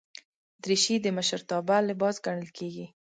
دریشي د مشرتابه لباس ګڼل کېږي.